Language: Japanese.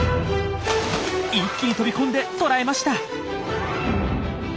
一気に飛び込んで捕らえました！